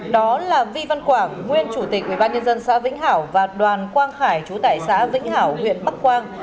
đó là vi văn quảng nguyên chủ tịch ubnd xã vĩnh hảo và đoàn quang hải chú tại xã vĩnh hảo huyện bắc quang